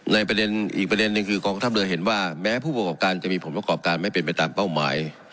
ในประเยนอีกประเยนหนึ่งคือความทับเดือนเห็นว่าแม้ผู้พูดกรอบการจะมีผ่อนบริโชคการไม่เปลี่ยนไปตามเป้าหมาย